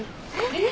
えっ？